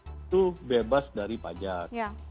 itu bebas dari perusahaan